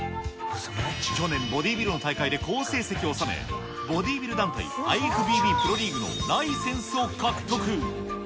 去年、ボディビルの大会で好成績を収め、ボディビル団体、ＩＦＢＢプロリーグのライセンスを獲得。